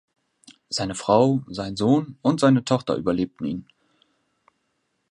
Seine Frau, sein Sohn und seine Tochter überlebten ihn.